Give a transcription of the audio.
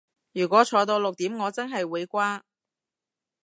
如果坐到六點我真係會瓜